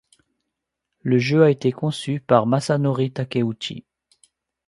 Le jeu a été conçu par Masanori Takeuchi.